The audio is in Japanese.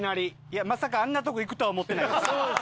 いやまさかあんなとこ行くとは思ってないです。